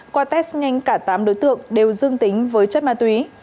qua test nhanh cả tám đối tượng đều dương tính với chất ma túy